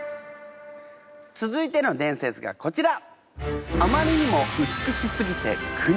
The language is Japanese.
続いての伝説がこちら！